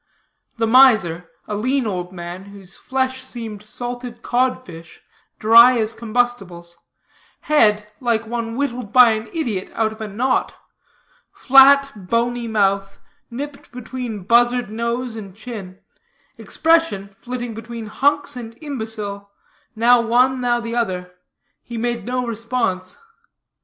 The miser, a lean old man, whose flesh seemed salted cod fish, dry as combustibles; head, like one whittled by an idiot out of a knot; flat, bony mouth, nipped between buzzard nose and chin; expression, flitting between hunks and imbecile now one, now the other he made no response.